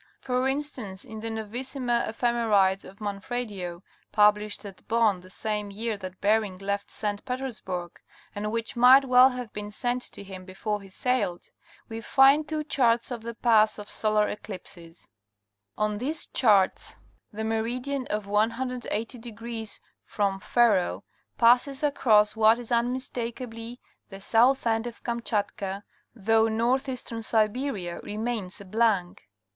For instance, in the Novissimae Epheme rides of Manfredio, published at Bonn the same year that Bering left St. Petersburg, and which might well have been sent to him before he sailed, we find two charts of the paths of solar eclipses (Plates ii and ii). On these charts the meridian of 180° from Ferro passes across what is unmistakably the south end of Kam chatka, though northeastern Siberia remains a blank.